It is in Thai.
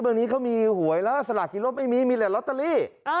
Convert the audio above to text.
บ้านนี้เค้ามีหวยแล้วสละกินรถไม่มีมีแหละลอตเตอรี่